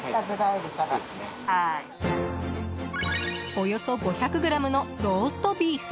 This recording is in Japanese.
およそ５００ｇのローストビーフ。